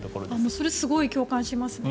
それはすごく共感しますね。